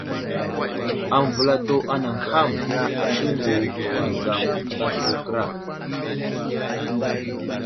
Aməvəlsto anay ham : Siŋgu, Wuzam ənta slu kəra.